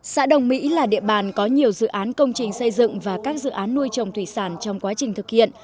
xã đồng mỹ là địa bàn có nhiều dự án công trình xây dựng và các dự án nuôi trồng thủy sản trong quá trình thực hiện